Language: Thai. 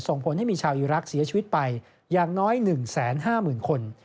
ส่งผลให้มีชาวอีรักษ์เสียชีวิตไปอย่างน้อย๑๕๐๐๐คน